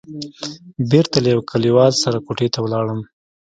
بېرته له يوه کليوال سره کوټې ته ولاړم.